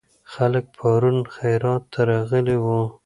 خلک پرون خیرات ته راغلي وو.